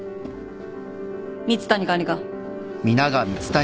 蜜谷管理官。